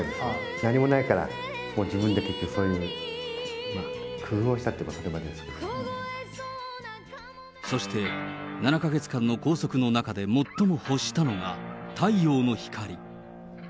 何もないから、自分でそういう工夫をしたといえばそれまでですけそして、７か月間の拘束の中で最も欲したのが、太陽の光。